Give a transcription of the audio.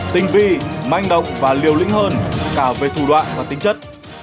tinh vi manh động và liều lĩnh hơn cả về thủ đoạn và tính chất